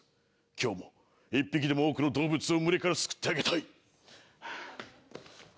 今日も一匹でも多くの動物を群れから救ってあげたい。